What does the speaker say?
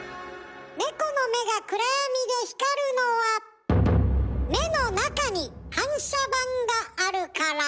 ネコの目が暗闇で光るのは目の中に反射板があるから。